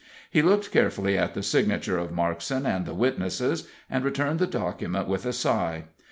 He looked carefully at the signature of Markson and the witnesses, and returned the document with a sigh.